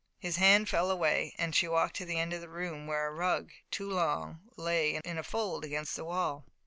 His hand fell away and she walked to the end of the room where a rug, too long, lay in a fold against the wall.